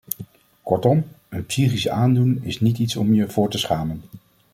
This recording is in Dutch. Kortom, een psychische aandoening is niet iets om je voor te schamen.